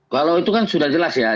kalau itu kan sudah jelas ya